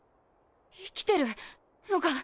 生きてるのか！？